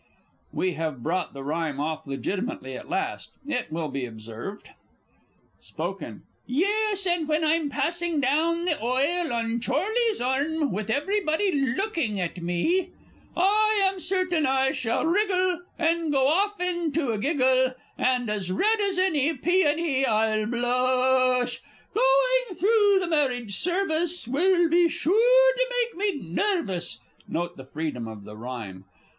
[We have brought the rhyme off legitimately at last, it will be observed. Spoken Yes, and when I'm passing down the oil, on Chorley's arm, with everybody looking at me, Chorus I am certain I shall wriggle, And go off into a giggle, And as red as any peony I'll blush. Going through the marriage service Will be sure to mike me nervous, [_Note the freedom of the rhyme.